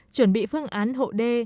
chuẩn bị phương án hộ đê